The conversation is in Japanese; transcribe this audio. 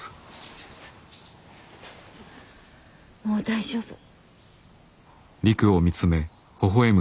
もう大丈夫。